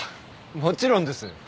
もちろんです。